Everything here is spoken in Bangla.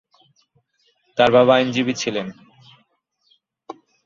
তাঁর বাবা আইনজীবী ছিলেন।